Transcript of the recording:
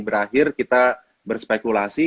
berakhir kita berspekulasi